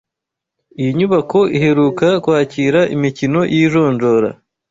Iyi nyubako iheruka kwakira imikino y’ijonjora